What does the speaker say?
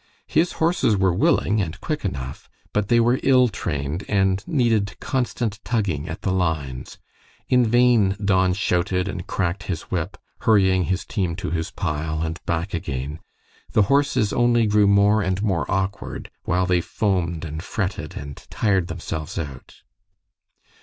His horses were willing and quick enough, but they were ill trained and needed constant tugging at the lines. In vain Don shouted and cracked his whip, hurrying his team to his pile and back again; the horses only grew more and more awkward, while they foamed and fretted and tired themselves out.